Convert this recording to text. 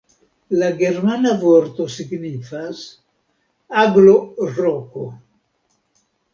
La germana vorto signifas aglo-roko.